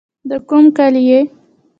د کوم کلي يې.